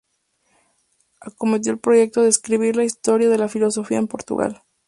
Acometió el proyecto de escribir la historia de la filosofía en Portugal.